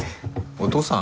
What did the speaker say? お父さん？